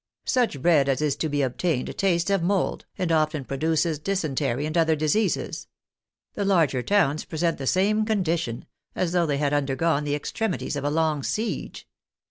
" Such bread as is to be obtained tastes of mould, and often produces dysentery and other diseases. The larger towns present the same condition, as though they had undergone the extremities of a long siege.